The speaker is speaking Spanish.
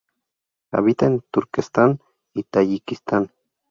Habita en Turquestán y Tayikistán.